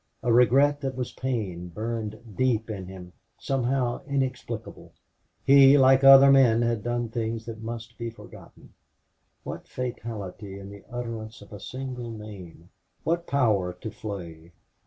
A regret that was pain burned deep in him somehow inexplicable. He, like other men, had done things that must be forgotten. What fatality in the utterance of a single name what power to flay!